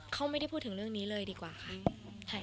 เขาไม่ได้พูดถึงเรื่องนี้เลยดีกว่าค่ะ